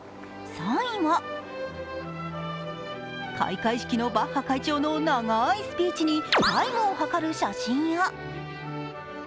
３位は、開会的のバッハ会長の長いスピーチにタイムを測る写真が。